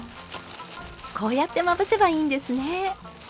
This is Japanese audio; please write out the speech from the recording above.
こうやってまぶせばいいんですね。